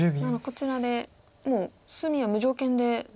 こちらでもう隅は無条件で。